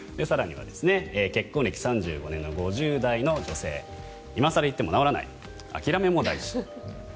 結婚歴３５年の５０代の女性今更言っても直らない諦めも大事。